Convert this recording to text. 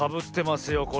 これ。